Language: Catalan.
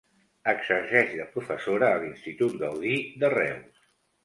Exerceix de professora a l'Institut Gaudí, de Reus.